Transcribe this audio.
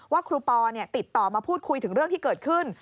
ครูปอติดต่อมาพูดคุยถึงเรื่องที่เกิดขึ้น